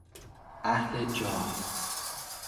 اهل جاه